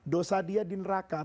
dosa dia di neraka